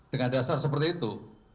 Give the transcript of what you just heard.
dengan dasar seperti itu